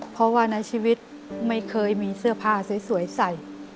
เพราะว่าในชีวิตไม่เคยมีเสื้อผ้าสวยใส่